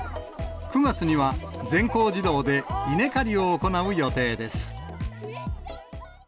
９月には全校児童で稲刈りを行う予定です。